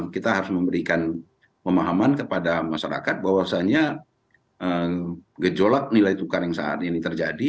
kita harus memberikan pemahaman kepada masyarakat bahwasannya gejolak nilai tukar yang saat ini terjadi